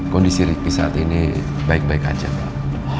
kondisi riki saat ini baik baik aja pak